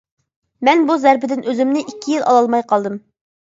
مەن بۇ زەربىدىن ئۆزۈمنى ئىككى يىل ئالالماي قالدىم.